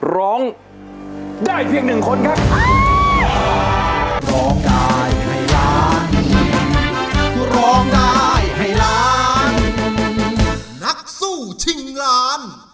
ร้องได้เพียงหนึ่งคนครับ